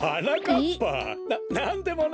ななんでもないよ。